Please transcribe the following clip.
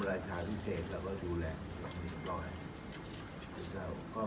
และทุกอย่างเรียบร้อยครับ